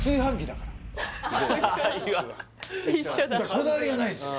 こだわりがないんですよ